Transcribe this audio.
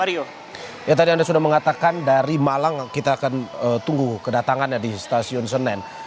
ya tadi anda sudah mengatakan dari malang kita akan tunggu kedatangannya di stasiun senen